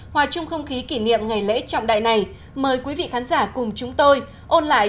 hòa chung không khí kỷ niệm ngày lễ trọng đại này mời quý vị khán giả cùng chúng tôi ôn lại